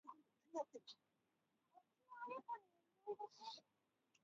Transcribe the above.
连接蛋白。